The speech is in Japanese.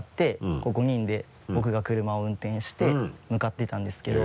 こう５人で僕が車を運転して向かっていたんですけど。